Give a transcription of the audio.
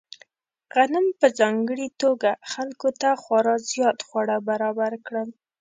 غنم په ځانګړې توګه خلکو ته خورا زیات خواړه برابر کړل.